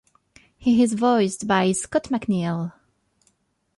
He is voiced by Scott McNeil.